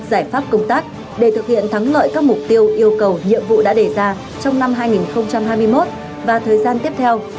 giải pháp công tác để thực hiện thắng lợi các mục tiêu yêu cầu nhiệm vụ đã đề ra trong năm hai nghìn hai mươi một và thời gian tiếp theo